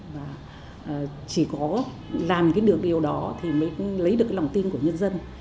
và chỉ có làm cái được điều đó thì mới lấy được lòng tin của nhân dân